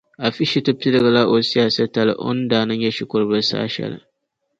Afishetu piligila o siyaasa tali o ni daa na nya shikuru bila saha shɛli.